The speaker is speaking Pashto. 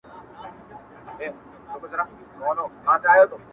• ځوان ولاړ سو ـ